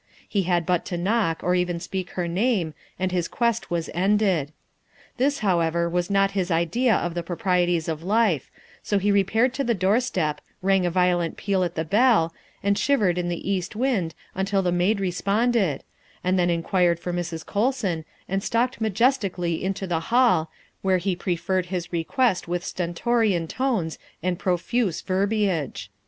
He had but to knock or even speak her name and his quest was ended. This, however, was not his idea of the proprieties of life, so he repaired to the doorstep, rang a violent peal at the bell, and shivered in the east wind until the maid responded, then in quired for Mrs. Colson and stalked majestically into the hall, where he preferred his request with stentorian tones and profuse verbiage.